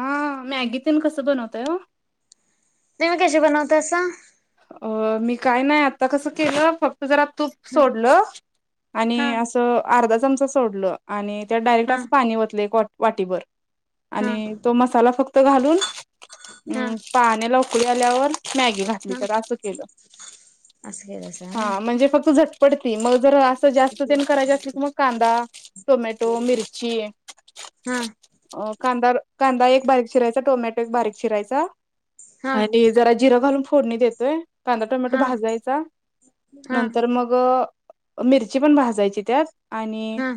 हा मॅगीतून कसं बनवतय ओ? तुम्ही कशे बनवता सा? अ मी काय नाही आता कसं केलं फक्त त जरा तूप सोडलं आणि हा असं अर्धा चमचा सोडल आणि त्यात डायरेक्ट हा असं पाणी वतलं एक वा वाटीभर. हा आणि तो मसाला फक्त घालून हा अ पाण्याला उक ळी आल्यावर मॅगी घातली हा तर असं केलं, असं केलासा व्हय. हां म्हंजे फक्त झट पडतेय मग जरा जास्त तेन करायच असल की मग कांदा टोमॅटो मिरची कांदा कांदा एक बारीक चिरायचा टोमॅटो एक बारीक चिरायचा हा हा आणि जरा जिरा घालून फोडणी देतोय कांदा टोमॅटो हा भाजायचा हा नंतर मग मिरची पण भाजायची त्यात आणि हा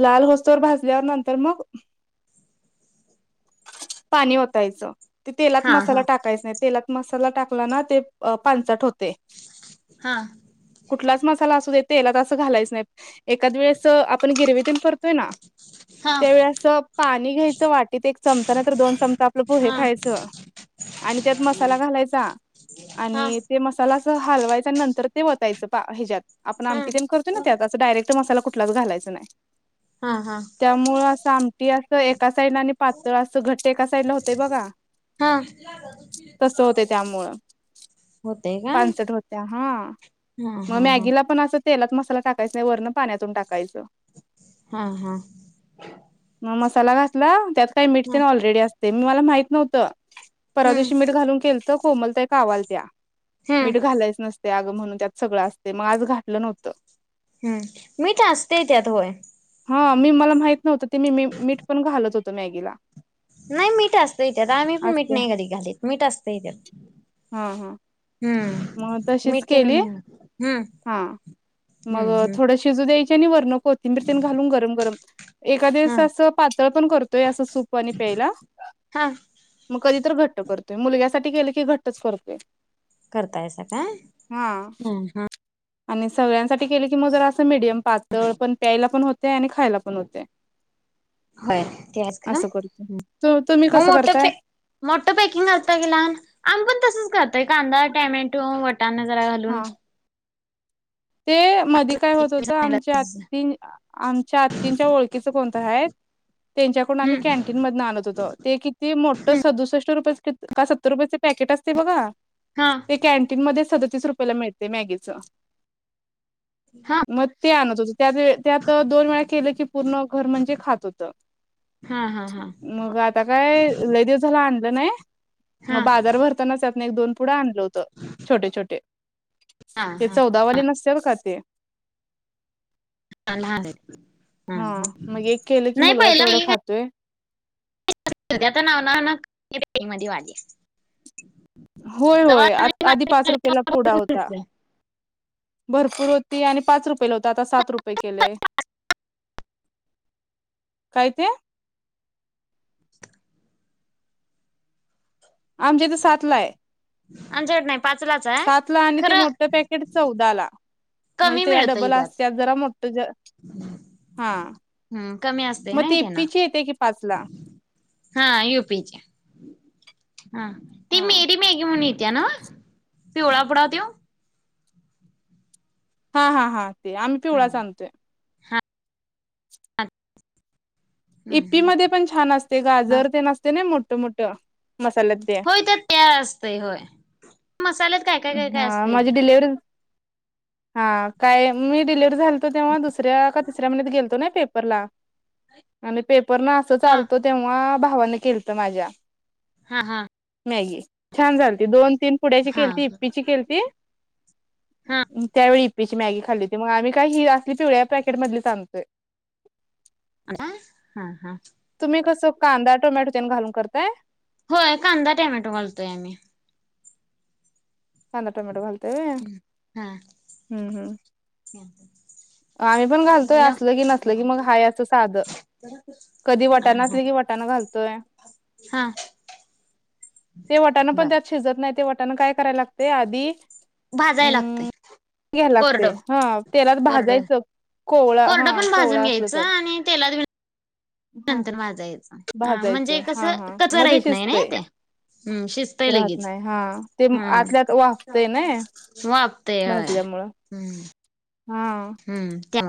लाल होस तवर भाजल्या नंतर मग पाणी ओतायचं. ते तेलात हा मसाला हा टाकायच नाही तेलात मसाला टाकला ना ते पानचट होत. हा कुठलाच मसाला असू देतेला तर असं घालायच नाही एकाद वेळेस आपण गिरवीतीण करतोय ना. हा त्यावेळी असं पाणी घ्यायचं वाटीत एक चमचा नाही तर दोन चमचा आपलं पोहे खायचं आणि त्याच्यात मसाला घालायचा आणि ते मसाला अस हलवायचा आणि नंतर ते वतायचं पा ह्याच्यात आपण आमटी हा ते करतो ना त्यातचं डायरेक्ट मसाला कुठलाच घालायचं नाही हा हा त्यामुळ असं आमटी असं एका साईडला आणि पातळ असं घट्ट एका साईडला होतंय बघा हा तस होते त्यामुळं होतय काय पांचट होत्या हा हा मग हा मॅगीला पण अस तेलात मसाला टाकायचा नाही वरं पाण्यातून टाकायच. हा हा मग मसाला घातला त्यात काही मिठ ह तेन ऑलरेडी असते मी मला माहित नव्हत. परवा हम्म दिवशी मीठ घालून केल तर कोमलताई कावालत्या हम्म मीठ घालायच नसत. ते अग म्हणून त्यात सगळं असते मग आज घातलं नव्हतं हम्म मीठ असतेय त्यात होय हा मी मला माहित नव्हतं ते मी मीठ पण घालत होतो मॅगीला. नाही मीठा असतय त्यात आम्ही पण मीठ असत्या नाही कधी घालीत मीठ असतय त्यात. हा हा हम्म मग तशीच मीठ तेन केली नाही हम्म हा हम्म मग हम्म थोड शिजू द्यायच. वरन कोथंबीर तेन घालून गरम गरम एखादे हा वेळेस पातळ पण करतोय सूप वाणी प्यायला हा आणि कधीतरी घट्टकरतोय. मुलग्यासाठी केलो की घट्टच करतोय. करतायसा काय हा हा. आणि सगळ्यांसाठी केले की मग, जरा असं मीडियम पातळ पण प्यायला पण हो तय आणि खायला पण होते. हाय ते [unintelligible] असं करतो तुम्ही मग कसं आता करताय ते मोठ्ठ पॅकिंग आणता, की लहान आम्हीं पण तसंच करत काई कांदा टॅमेटो वटांना जरा घालून. हा ते मध्ये काय होत होत, आमच्या आत्ती आमच्या आत्तींच्या ओळखीच कोणतंरी हाय त्येच्याकडून आम्ही हम्म कॅन्टीन मधून आणत होतो, ते किती मोठं सदुसष्ट रुपयांच हा [unintelligible] रुपयाला मिळत मॅग्गीच हा मग ते आणत होतो. त्यात त्यात दोन वेळा केलं की पूर्ण घर म्हणजे खात होत हा हा हा मग आता काय लय दिवस झाला आणल नाही हा मग बाजार भरताना त्यातन एक दोन पुढं आणलं होतं छोटे छोटे हा ते हा. चौदावाले नसत्यात का ते लहान हा मग एक केलं की नाही मुलगा पहिला तेवढं खातोय सगळाच नाव म वाली होय होय आधी पाच रुपयाला पुडा होता भरपूर होती आणि पाच रुपयेला होता आता सात रुपये केले काय ते आमच्या इथं सातला आहे आमच्याकडे नाही पाचलाच सात ला आणि ते खर मोठं पॅकेट चौदा ला म्हणजे कमी त्याच्या मिळतय डबल त्यात असत्यात जरा मोठं ज हा हम्म कमी असते मग नाही ती त्यांना इप्पीची येते की पाच ला हा युपी ची हा ती हा मेरी मॅगी म्हणून येते ना पिवळा पुुडा तो हा हा हा ते आम्ही हा पिवळाच आणतोय हा इप्पी हा मध्ये पण छान असते गाजर ते नसते ना मोठ मोठ हो त्या तयार असत हो मसाल्यात काय काय काय हा काय असतंय माझी की डिलेवर्हरी हा काय मी डिलिव्हरी झालतो तेव्हा दुसऱ्या का तिसऱ्या महिन्यात गेलतो ना पेपरला आणि पेपर न असं हा चालतो तेव्हा भावाने केलत माझ्या हा हा मॅगी छान झालती दोन-तीन पुड्या हा इप्पी ची केलती हा त्यावेळी बीपी मॅगी खाल्ली होती मग आम्ही काही ही असली पिवळ्या पॅकेट मधली आणतोय आ हा हा कस कांदा टोमॅटो त्यां घालून करताय होय कांदा टमॅटो घालतोय आम्ही कांदाा टोमेटो घालतेय हा हम्म हम्म आम्ही पण घालतोय हॅलो असल की नसल की मग हाय असं साध कधी वटाण असले की वटाणा घालतोय हा ते वाटाण पण बर त्यात शिजत नाही ते वाटाण काय करायला लागते आधी भाजाय लागतय अम् घ्यायाला लागते कोरडं हा तेलात कोरडं भाजायच कवळा हा कोरडं पण भाजून कवळा असलं घ्यायचं तर आणि तेलात हा नंतर वाजायचं भाजायचं म्हणजे कस हा हा कच मग ते राहत नाही ना शिजतय ते हम्म शिजत राहत लेगीच नाही हा ते हम्म आतल्यात वाफतय नाय वापते हय भाजल्यामुळं हम्म हा हम्म ते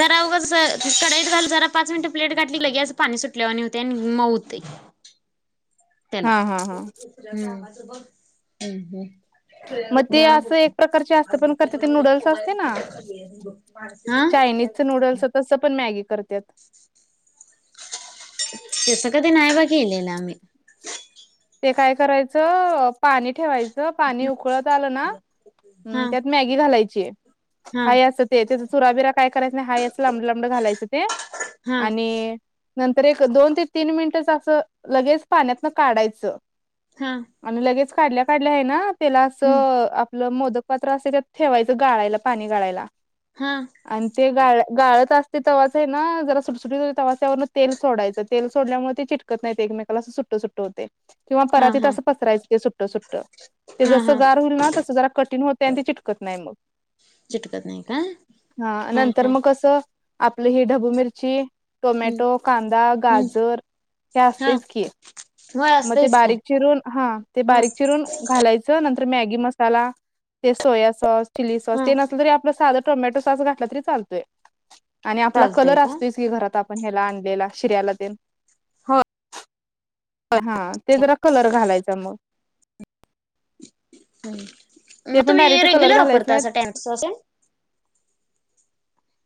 जरा उगाच कडईत घाल जरा पाच मिनिटं प्लेट घातली लगे असं पाणी सुटलेवरणी होते आणि मऊ ते हम तेला हम् मग ते हम् असं एक प्रकारचे असतं पण करते ते नूडल्स असते ना हा चायनीजच नूडल्स तसं पण मॅगी करत तस कधी नाही बा के केलेलं आम्ही ते काय करायचं पाणी ठेवायचं ज पाणी उकळत आलं ना हा त्यात मॅगी घालायची आहे हा हाय अस ते सुराबिरा काय करायच नाही हा असं लांबड लांबड घालायचं ते हा आणि नंतर एक दोन ते तीन मिनिट असं लगेच पाण्यातन काढायचं हा आणि लगेच काढल्या काढल्या आहे ना त्याला हम्म असं आपलं मोदक पात्र असे त्यात ठेवायचं गाळायला पाणी गाळायला हा आणि ते गाळत असत ते तवासा आहे ना जरा सुटसुटी तवासावर तेल सोडायं तेल सोडल्यामुळे ते चिटकत नाहीत एकमेकाला असं सुट सुट्ट होते किंवा परा हा तीत हा असं पसरायं ते सुट्टं सुट्टं ते हा जसं हा गार होईल ना तसं जरा कठीण होतंय ते चिटकत नाही मग चिटकत नाही का? हा नंतर मग कसं आपलं ही ढबू मिरची हम्म टोमॅटो, कांदा, हम्म गाजर हे हा असतयच की होय मग ते असतंयच की बारीक चिरून हा ते हा बारीक चिरून घालायचं नंतर तर मॅगी मसाला, ते सोया सॉस, चिली सॉस हा ते नसलं तरी आपलं साध टोमॅटो सॉस घातलं तरी चालतय आणि आपला चालतंय कलर का? असतोयच की घरात पण ह्याला आणलेला शिऱ्याला तेन होय हा ते जरा कलर घालायचा मग मग ते पण तुम्ही डायरेक्ट कलर रेग्युलर घालायच वापरता नाहीत अस टॅमाटो सॉस तेन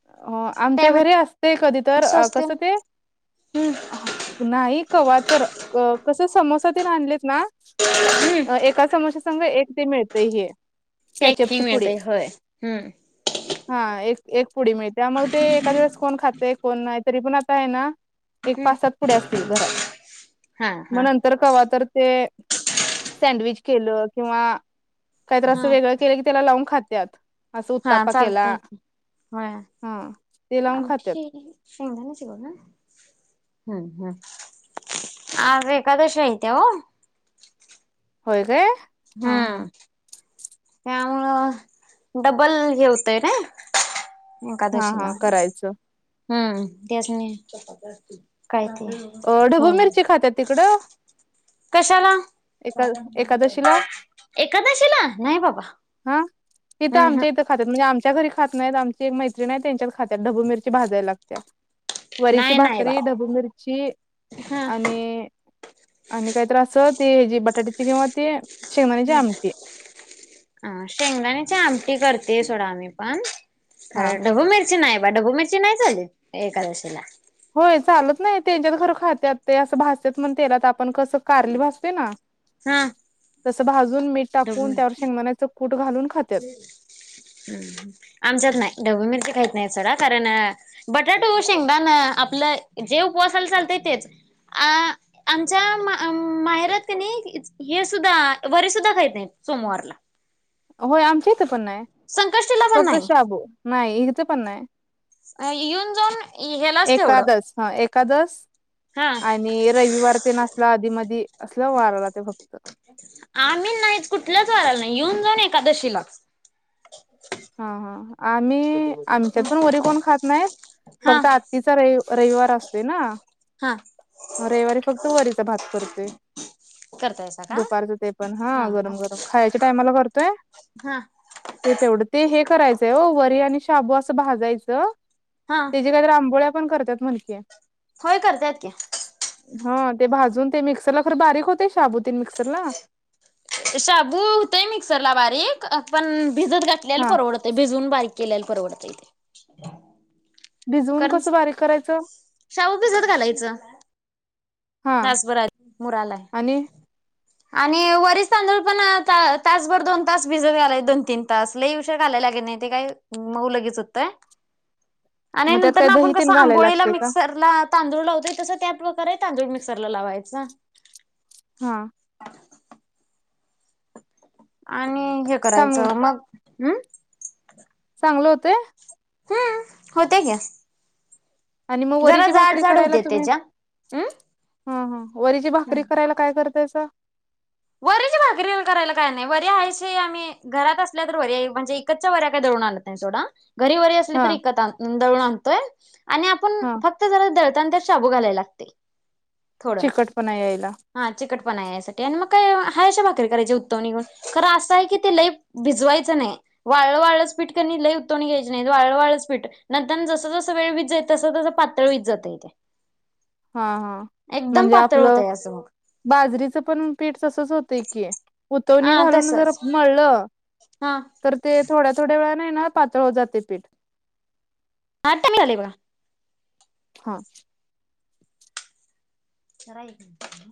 अ आमच्या टॅमॅटो घरी असतय कधी तर सॉस कसं तेन ते हम्म नाही कवा तर क कस समोसा तेन आणलेत ना हम्म एका समोशा संग एक ते मिळतय हे कॅचअपची पॅकिंग पुडी मिळतय होय हम्म हा ए एक पुडी मिळतीया मग ते एका दिवस कोण खातय कोण नाही तरी पण आता आहे ना एक हम्म पास सात पुढे असतील घरात हा मग हा नंतर कवा तर ते सँडविच केलं किंवा काहीतर हा असं वेगळं केलं की त्याला लावून खात्यात. अस हा उत्तपा केला. चालतय की होय हा ते लावून खात्यात आमची शेंगदाण्याची गोळी ना ह हम्म हम् आज एकादशी आहे त्या हो होय काय हा हा हम्म त्यामुळं डबल हे होतंय नय हा हा एकादशीला करायचं हम्म त्यास नी काही अ ढबू मिरची खात्यात तिकडं कशाला एका एकादशीला एकादशीला नाही बाबा हा इथं हम्म हम्म आमच्या इथं खात्यात म्हणजे आम च्या घरी खात नाहीत आमची एक मैत्रीण हाय त्यांच्यात खात्याात ढबू मिरची भाजायला लागतीया. वरीची नाही नाही बा भाकरी, ढबू मिरची हा आणि आणि काही तर अस ते जी बटाट्याची किंवा ते शेंगदाण्याची ह आमटी अ शेंगदाण्याची आमटी करते सोडा आम्ही पण हा कार ढबू मिरची नाही बा ढबू मिरची नाही चालत एकादशीला होय चालत नाही त्यांच्यात खर खात्यात ते असं भाजत्यात मण तेलात आपण कसं कारली भाजतोय ना हा. तसं भाजून मीठ टाकून त्यावर शेंगदाण्याचं कूट घालून खात्यात हम् आमच्यात नाही ढबू मिरची खाईत नाही सोडा कारण बटाटू, शेंगदान आपलं जे उपवासायला चालतय तेच अ आमच्या मा माहेरात कनी हे सुद्धा वरी सुुद्धा खाहीत नाही सोमवारला होय आमच्या इथे पण नाही संकष्टीला पण फक्त शाबू नाही इथे पण नाही. नाही येऊन जाऊन ह्यालाच तेवढं एकादस हा एकादस हा आणि रविवार ते नसला आधी मधी असलं वाराला ते फक्त आम्ही नाहीच कुठल्याच वरायला नाही येऊन जावून एकादशीला हा हा आम्ही आमच्यात पण वरी कोण खात नाहीत हा फक्त आत्तीचा रवी रविवार असतोय ना हा मग रविवारी फक्त वरीचा भात करते. करतायसा का दुपारचं ते पण हा गरम गरम खायच्या टायमाला करतोय. हा ते तेवढं ते हे करायचंय हो वरी आणि शाबू अस भाजायचं हा त्याज्या काय तर आंबोळ्या पण करतात म्हन की होय करत्यात की हा ते भाजून ते मिक्सरला खर बारीक होतय शाबु तेन मिक्सरला शाबू हुतय मिक्सरला अ बारीक पण भिजत घातलेल् हा परवडतय भिजून बारीक केल्यालं परवडतय इथे भिजवून कसं बारीक करायचं शाबू भिजत घालायचं हा [inaudible] आणि आणि वरीचं तांदूळ पण ता-तासभर दोन तास भिजत घालाय दोन तीन तास लई उशीर [unintelligible] ते काय मऊ लगेच हुतय आणि मग त्यात नंतर काय न आपण दही तेन कसं घालायला आंघोळीला लागते का मिक्सरला तांदूळ लावतोय तसं त्या प्रकारे तांदूळ मिक्स क्सरला लावायचा हा आणि हे चांग करायचं मग हम् चांगल होतंय हम्म होतय की आणि मग जरा वरीची जाड भाकरी जाड करायला होते तुम्ही त्याच्या. हम्म ह हा वरीची भाकरी करायला काय करतायस करी करायला काय नाय वरी आणायची आम्ही घरात असल्या तर वर्या म्हणजे विकतचया वऱ्या काही दळून आनत नाही सोडा घरी वरी असली हा तरी इकत आणतोय दळून आणतोय आणि आपण हा फक्त जरा दळतो [unintelligible] शाबू घालाय लागतंय थोडं चिकटपणा यायला हा चिकटपणा यायसाठी [inaudible] [unintelligible] भाकरी करायची [unintelligible] खर असय की ते लई भिजवायचं नाय वाळंवाळं च पीठ त्यांनी [unintelligible] वाळं वाळंच पीठ नंतर जसं जसं वेळ व्हीत जाईल तस तसं पातळ व्हीत जातंय ते हा हा एकदम म्हणजे पातळ आपलं होतंय असं मग बाजरीचं पण पीठ तसंच होतय की उतवणी हा घालून जर तसंच मळलं हा तर ते थोड्या थोड्या वेळात नाही ना पातळ होत जातय पीठ [unintelligible] बघा हा करलोय की